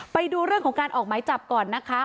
ไปดูเรื่องของการออกหมายจับก่อนนะคะ